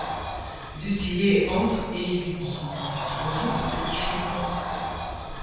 Du Tillet entre et il lui dit :— Bonjour, petit fripon. ..